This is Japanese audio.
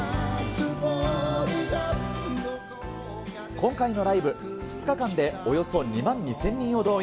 今回のライブ、２日間でおよそ２万２０００人を動員。